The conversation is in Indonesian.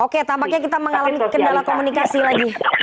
oke tampaknya kita mengalami kendala komunikasi lagi